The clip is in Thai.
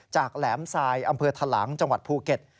แหลมทรายอำเภอทะลังจังหวัดภูเก็ต